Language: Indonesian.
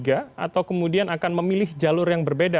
atau kemudian akan memilih jalur yang berbeda